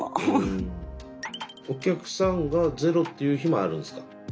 お客さんがゼロっていう日もあるんですか。